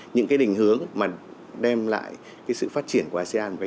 những cái định hướng mà đem lại cái sự phát triển của asean